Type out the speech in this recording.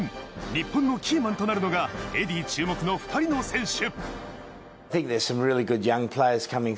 日本のキーマンとなるのがエディー注目の２人の選手。